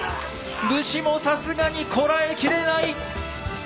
武士もさすがにこらえきれない！